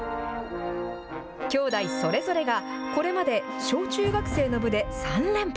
兄弟それぞれがこれまで小中学生の部で３連覇。